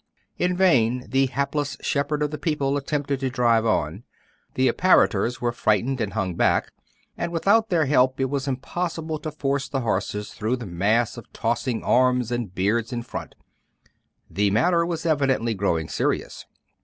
In vain the hapless shepherd of the people attempted to drive on. The apparitors were frightened and hung back; and without their help it was impossible to force the horses through the mass of tossing arms and beards in front. The matter was evidently growing serious.